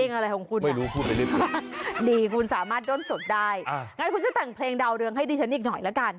เอ็งอะไรของคุณน่ะดีคุณสามารถโดนสดได้งั้นคุณจะตั้งเพลงดาวเรืองให้ดิฉันอีกหน่อยละกัน